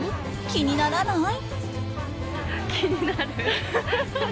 気にならない？